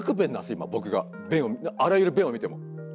今僕があらゆる便を見ても。